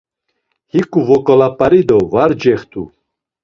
Hik̆u vobalak̆ari do var cext̆u.